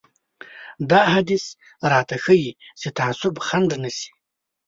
دا حديث راته ښيي چې تعصب خنډ نه شي.